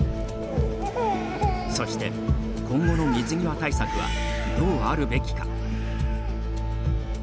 そして、今後の水際対策はどうあるべきか。